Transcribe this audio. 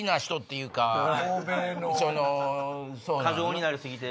過剰になり過ぎてる。